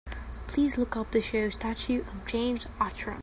Please look up the show Statue of James Outram.